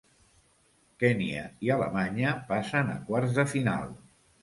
Kenya i Alemanya passen a quarts de final.